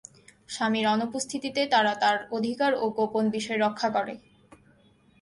স্বামীর অনুপস্থিতিতে তারা তার অধিকার ও গোপন বিষয় রক্ষা করে।